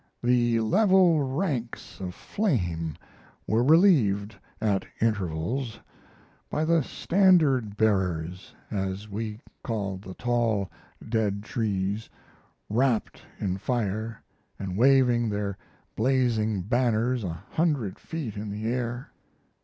The level ranks of flame were relieved at intervals by the standard bearers, as we called the tall, dead trees, wrapped in fire, and waving their blazing banners a hundred feet in the air.